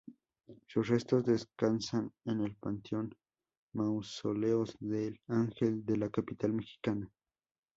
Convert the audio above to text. Sus restos descansan en el panteón Mausoleos del Ángel de la capital mexicana.